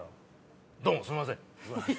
どうもすいません。